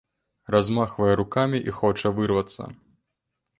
Размахвае рукамі і хоча вырвацца.